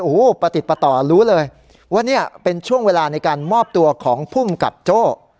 โอ้โหประติดประต่อรู้เลยว่าเนี่ยเป็นช่วงเวลาในการมอบตัวของภูมิกับโจ้